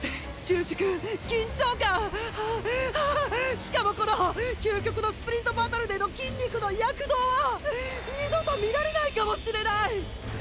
しかもこの究極のスプリントバトルでの筋肉の躍動は二度と見られないかもしれない！！